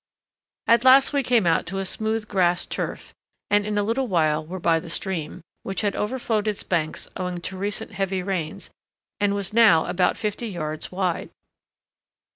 At last we came out to a smooth grass turf, and in a little while were by the stream, which had overflowed its banks owing to recent heavy rains and was now about fifty yards wide.